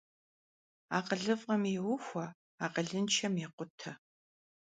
Akhılıf'em yêuxue, akhılınşşem yêkhute.